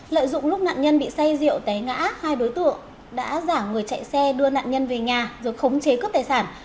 lợi dụng lúc nạn nhân bị say rượu té ngã hai đối tượng đã giả người chạy xe đưa nạn nhân về nhà rồi khống chế cướp tài sản